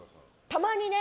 たまにね。